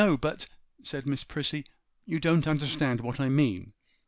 but,' said Miss Prissy, 'you don't understand what I mean.